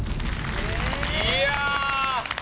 いや。